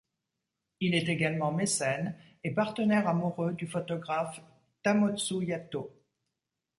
Il est également mécène et partenaire amoureux du photographe Tamotsu Yatō.